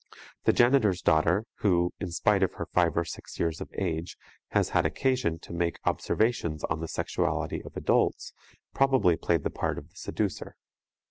The janitor's daughter, who, in spite of her five or six years of age, has had occasion to make observations on the sexuality of adults, probably played the part of the seducer.